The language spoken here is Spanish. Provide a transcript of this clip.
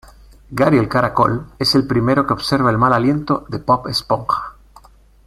Gary el caracol es el primero que observa el mal aliento de Bob Esponja.